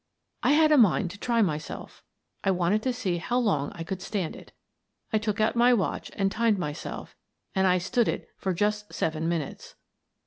I had a mind to try myself. I wanted to see how long I could stand it. I took out my watch and timed myself — and I stood it for just seven min utes.